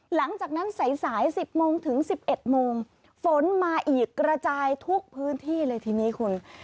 หลังจากนั้นสายสาย๑๐โมงถึง๑๑โมงฝนมาอีกกระจายทุกพื้นที่เลยทีนี้คุณ